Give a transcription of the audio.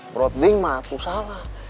broding mah itu salah